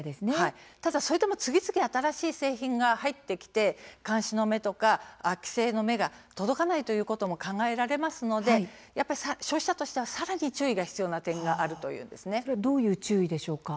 ただ、それでも次々新しい製品が入ってきて監視の目や規制の目が届かないということも考えられますので消費者としては、さらに注意がどういう注意でしょうか。